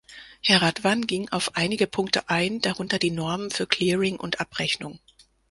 Herr Radwan ging auf einige Punkte ein, darunter die Normen für Clearing und Abrechnung.